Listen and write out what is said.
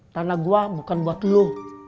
tanah gue bukan buat lo